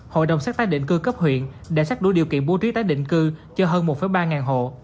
hội đồng xác tác định cư cấp huyện đã xác đủ điều kiện bố trí tác định cư cho hơn một ba ngàn hộ